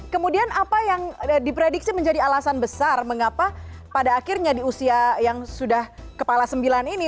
kemudian apa yang diprediksi menjadi alasan besar mengapa pada akhirnya di usia yang sudah kepala sembilan ini